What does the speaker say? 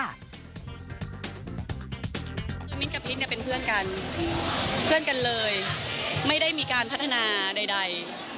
คือมิ้นกับพิษเนี่ยเป็นเพื่อนกันเพื่อนกันเลยไม่ได้มีการพัฒนาใด